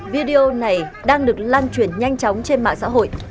video này đang được lan truyền nhanh chóng trên mạng xã hội